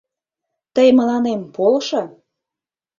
Тый мыланем полшо.